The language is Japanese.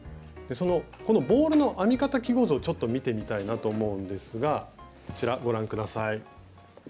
このボールの編み方記号図をちょっと見てみたいなと思うんですがこちらご覧下さい。